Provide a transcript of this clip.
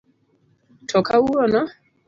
To kawuono?